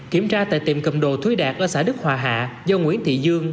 kiểm tra tại tiệm cầm đồ thúy đạt ở xã đức hòa hạ do nguyễn thị dương